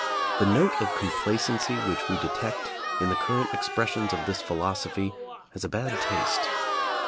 The note of complacency which we detect in the current expressions of this philosophy has a bad taste.